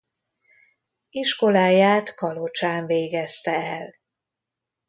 Iskoláját Kalocsán végezte el.